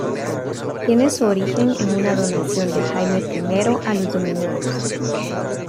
Tiene su origen en una donación de Jaime I a los dominicos.